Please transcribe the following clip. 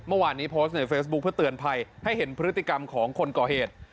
เมื่อวานนี้โพสต์ในเฟซบุ๊คเพื่อเตือนภัยให้เห็นพฤติกรรมของคนก่อเหตุ